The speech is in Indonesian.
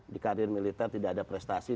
di karir militer tidak ada prestasi